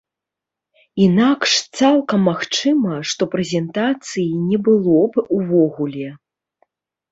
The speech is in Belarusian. Інакш, цалкам магчыма, што прэзентацыі не было б увогуле.